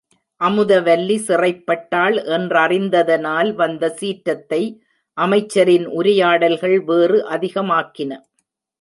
அமுதவல்லி சிறைப்பட்டாள் என்றறிந்ததனால் வந்த சீற்றத்தை அமைச்சரின் உரையாடல்கள் வேறு அதிகமாக்கின.